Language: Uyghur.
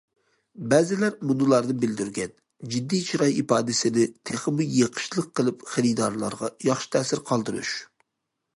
بەزىلەر مۇنۇلارنى بىلدۈرگەن:« جىددىي چىراي ئىپادىسىنى تېخىمۇ يېقىشلىق قىلىپ، خېرىدارلارغا ياخشى تەسىر قالدۇرۇش».